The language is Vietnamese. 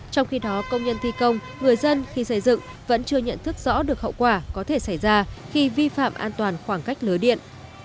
trong khi đó công nhân thi công người dân khi xây dựng vẫn chưa nhận thức rõ được hậu quả có thể xảy ra khi vi phạm an toàn khoảng cách lưới điện